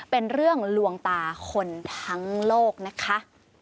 เป็นเรื่องลวงตาคนทั้งโลกนะคะ